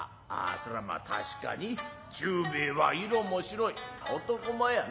そりゃまあ確かに忠兵衛は色も白い男前やな。